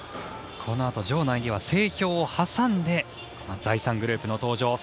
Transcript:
このあと、場内では整氷を挟んで第３グループの登場。